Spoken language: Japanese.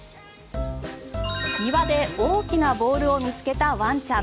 庭で大きなボウルを見つけたワンちゃん。